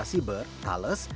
perusahaan siber thales